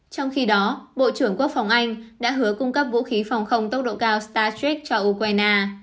trong khi đó bộ trưởng quốc phòng anh đã hứa cung cấp vũ khí phòng không tốc độ cao startrix cho ukraine